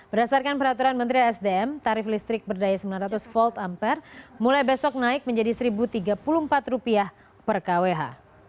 berdasarkan peraturan menteri sdm tarif listrik berdaya sembilan ratus volt ampere mulai besok naik menjadi rp satu tiga puluh empat per kwh